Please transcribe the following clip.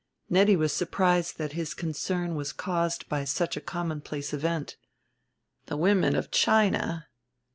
Nettie was surprised that his concern was caused by such a commonplace event. "The women of China